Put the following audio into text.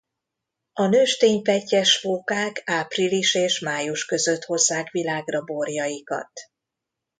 A nőstény pettyes fókák április és május között hozzák világra borjaikat.